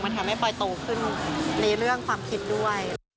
มันทำให้ปลอยโตขึ้นในเรื่องความคิดด้วย